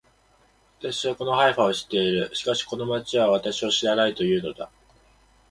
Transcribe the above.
私はこのハイファを知っている。しかしこの町は私を知らないと言うのだ